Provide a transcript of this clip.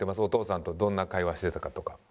お父さんとどんな会話してたかとか。